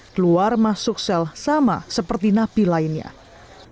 keluar masuk sel sama seperti napi lainnya